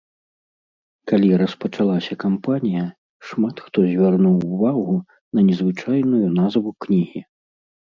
Калі распачалася кампанія, шмат хто звярнуў увагу на незвычайную назву кнігі.